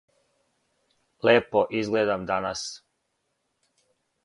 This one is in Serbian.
Лепо изгледам данас.